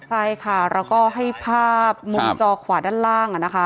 ใช่ค่ะแล้วก็ให้ภาพมุมจอขวาด้านล่างนะคะ